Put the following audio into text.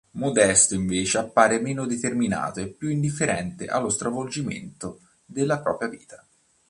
Modesto invece appare meno determinato e più indifferente allo stravolgimento della propria vita.